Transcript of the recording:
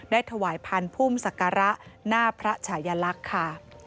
ถวายพันธุ์พุ่มศักระหน้าพระชายลักษณ์ค่ะ